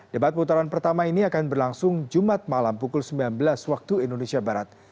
debat putaran pertama ini akan berlangsung jumat malam pukul sembilan belas waktu indonesia barat